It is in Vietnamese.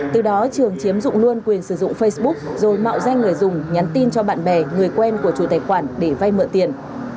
từ đó trường chiếm dụng luôn quyền sử dụng facebook rồi mạo danh người dùng nhắn tin cho bạn bè người quen của chủ tài khoản để vay mượn tiền